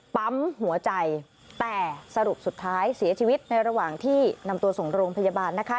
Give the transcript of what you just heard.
ปั๊มหัวใจแต่สรุปสุดท้ายเสียชีวิตในระหว่างที่นำตัวส่งโรงพยาบาลนะคะ